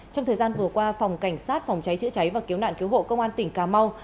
trong thời gian vừa qua phòng cảnh sát phòng cháy chữa cháy và cứu nạn cứu hộ công an tỉnh cà mau